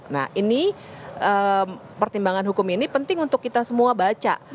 nah ini pertimbangan hukum ini penting untuk kita semua baca